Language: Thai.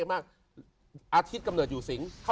อาทิตย์กำเนิดอยู่สิง